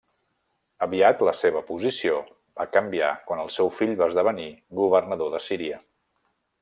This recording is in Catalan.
Aviat la seva posició va canviar quan el seu fill va esdevenir governador de Síria.